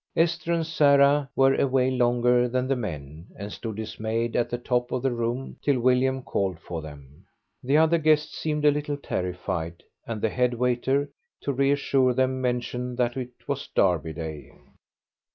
Esther and Sarah were away longer than the men, and stood dismayed at the top of the room till William called for them. The other guests seemed a little terrified, and the head waiter, to reassure them, mentioned that it was Derby Day.